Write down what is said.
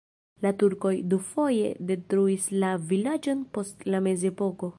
La turkoj dufoje detruis la vilaĝon post la mezepoko.